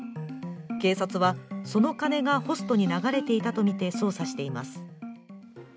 警察はその金がホストに流れていたとみて捜査しています。